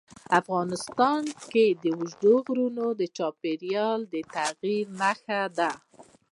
افغانستان کې اوږده غرونه د چاپېریال د تغیر نښه ده.